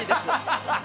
ハハハハ！